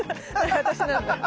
私なんだ。